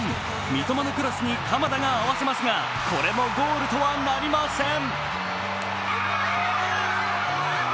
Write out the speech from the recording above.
三笘のクロスに鎌田が合わせますがこれもゴールとはなりません。